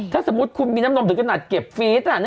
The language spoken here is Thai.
ถ้าสมมุติคุณมีน้ำนมถึงกระหนักเก็บฟี๊ดอ่ะ